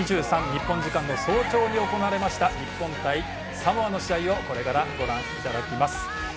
日本時間の早朝に行われました日本対サモアの試合をこれからご覧いただきます。